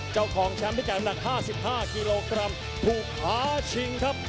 เจ้าของแชมป์พิการหนัก๕๕กิโลกรัมถูกท้าชิงครับ